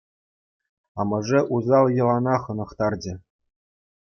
Амӑшӗ усал йӑлана хӑнӑхтарчӗ.